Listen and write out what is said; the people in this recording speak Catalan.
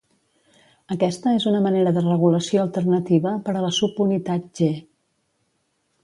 Aquesta és una manera de regulació alternativa per a la subunitat G.